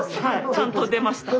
ちゃんと出ました。